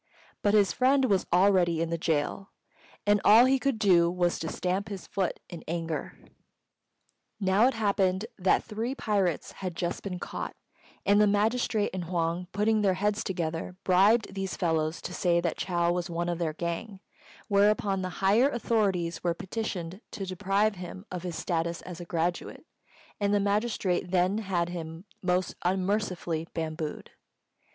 But his friend was already in the gaol, and all he could do was to stamp his foot in anger. Now it happened that three pirates had just been caught; and the magistrate and Huang, putting their heads together, bribed these fellows to say that Chou was one of their gang, whereupon the higher authorities were petitioned to deprive him of his status as a graduate, and the magistrate then had him most unmercifully bambooed.